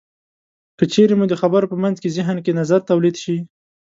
که چېرې مو د خبرو په منځ کې زهن کې نظر تولید شي.